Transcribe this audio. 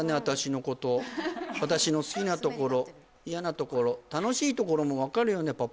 私のこと私の好きなところ嫌なところ楽しいところもわかるよね？